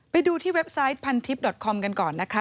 ไปดูที่เว็บไซต์พันทิพย์ดอตคอมกันก่อนนะคะ